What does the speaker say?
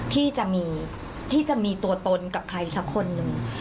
ที่จะมีที่จะมีตัวตนกับใครสักคนหนึ่ง